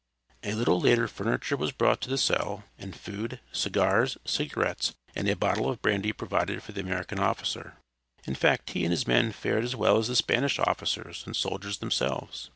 A little later furniture was brought to the cell, and food, cigars, cigarettes, and a bottle of brandy provided for the American officer. In fact he and his men fared as well as the Spanish officers and soldiers themselves.